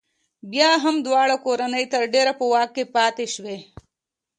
بیا هم دواړه کورنۍ تر ډېره په واک کې پاتې شوې.